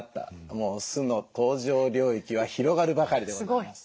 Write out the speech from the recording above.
もう酢の登場領域は広がるばかりでございます。